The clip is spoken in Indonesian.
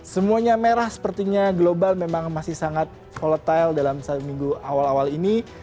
semuanya merah sepertinya global memang masih sangat volatile dalam satu minggu awal awal ini